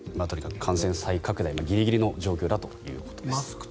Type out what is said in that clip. とにかく感染再拡大ギリギリの状況だということです。